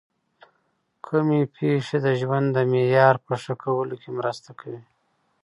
کومې پېښې د ژوند د معیار په ښه کولو کي مرسته کوي؟